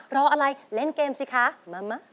รออะไรเล่นเกมสิคะมามะ